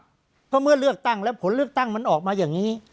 เพราะเมื่อเลือกตั้งแล้วผลเลือกตั้งมันออกมาอย่างนี้